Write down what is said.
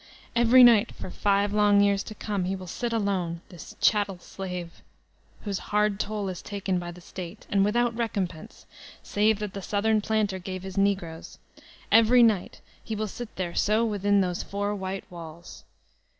Every night, for five long years to come, be will sit alone, this chattel slave, whose hard toil is taken by the State, — and without recompense save that the Southern planter gave his negroes,— every night he will sit there so within those four white walls.